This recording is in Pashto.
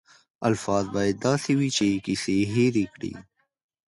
الفاظ باید داسې وي چې کیسه هنري کړي.